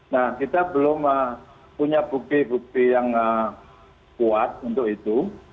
nah kita belum punya bukti bukti yang kuat untuk itu